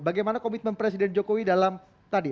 bagaimana komitmen presiden jokowi dalam tadi